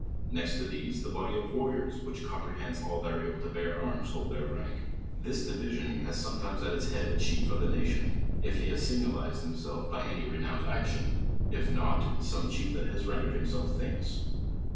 Next to those, the bo.ly of warriors wl.ich compre hends all that are able to bear arms, In Id t.heir rank. This division has sometimes at its head the chief of the nation, if he has signalized himself by any renowned action, if not, some chief that has rendered himself farnouj.